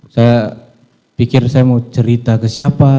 saya pikir saya mau cerita ke siapa